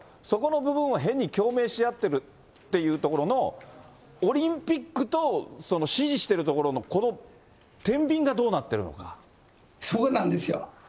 そこの部分は変に共鳴し合ってるっていうところの、オリンピックと支持してるところのこのてんびんがどうなっているそうなんですよ。